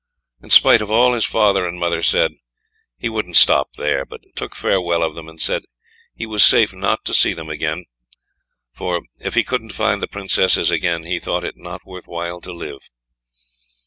In spite of all his father and mother said, he wouldn't stop there, but took farewell of them, and said he was safe not to see them again; for if he couldn't find the Princesses again, he thought it not worth while to live.